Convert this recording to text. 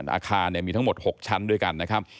อาคารมีทั้งหมด๖ชั้นด้วยกันนะครับ